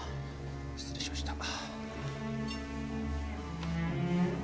失礼しました。